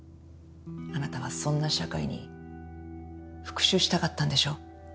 あなたはそんな社会に復讐したかったんでしょ？